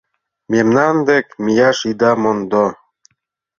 Мемнан дек мияш ида мондо.